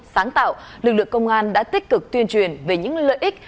sáng tạo lực lượng công an đã tích cực tuyên truyền về những lợi ích